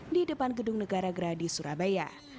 di depan gedung negara gerahadi surabaya